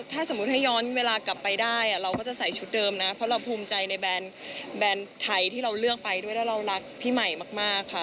ถ้าสมมุติให้ย้อนเวลากลับไปได้เราก็จะใส่ชุดเดิมนะเพราะเราภูมิใจในแบรนด์ไทยที่เราเลือกไปด้วยแล้วเรารักพี่ใหม่มากค่ะ